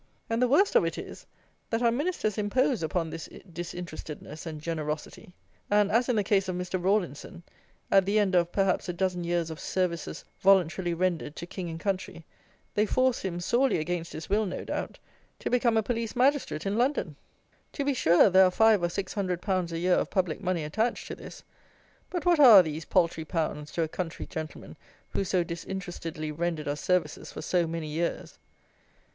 And the worst of it is, that our Ministers impose upon this disinterestedness and generosity; and, as in the case of Mr. Rawlinson, at the end of, perhaps, a dozen years of services voluntarily rendered to "King and country," they force him, sorely against his will, no doubt, to become a Police Magistrate in London! To be sure there are five or six hundred pounds a year of public money attached to this; but what are these paltry pounds to a "country gentleman," who so disinterestedly rendered us services for so many years?